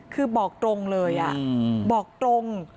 คือบอกตรงเลยบอกตรง